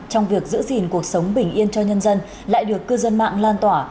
trong việc giữ gìn cuộc sống bình yên cho nhân dân lại được cư dân mạng lan tỏa